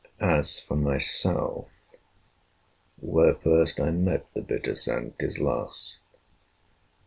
As for myself, Where first I met the bitter scent is lost.